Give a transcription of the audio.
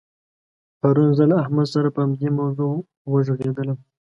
پرون زه له احمد سره په همدې موضوع وغږېدلم.